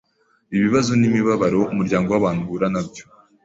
ibibazo n’imibabaro umuryango w’abantu uhura na byo.